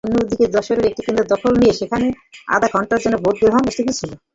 অন্যদিকে যশোরের একটি কেন্দ্র দখল নিয়ে সেখানে আধঘণ্টার জন্য ভোটগ্রহণ স্থগিত ছিল।